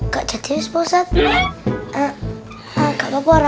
gak apa apa ada apa apa